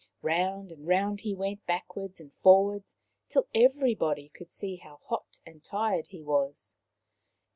Round and round he went, backwards and forwards, till everybody could see how hot and tired he was.